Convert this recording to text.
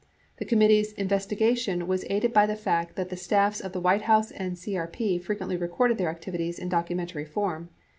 The committee's investiga tion was aided by the fact that the staffs of the White House and CUP frequently recorded their activities in documentary form.